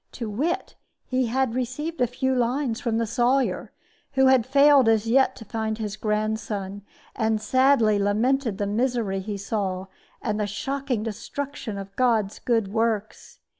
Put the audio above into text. To wit, he had received a few lines from the Sawyer, who had failed as yet to find his grandson, and sadly lamented the misery he saw, and the shocking destruction of God's good works.